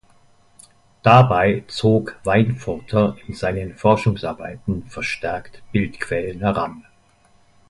Dabei zog Weinfurter in seinen Forschungsarbeiten verstärkt Bildquellen heran.